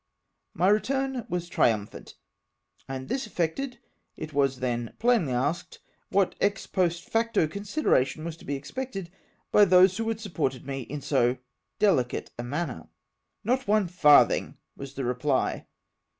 My return was triumphant, and this effected, it was then plainly asked, what ex post facto consideration was to be expected by those who had supported me in so dehcate a manner. " Not one farthing !" was the reply.